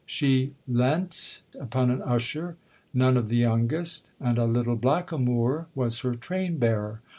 She leant upon an usher, none of the youngest, and a little blackamoor was her train bearer.